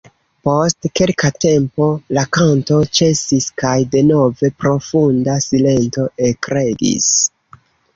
Post kelka tempo la kanto ĉesis, kaj denove profunda silento ekregis.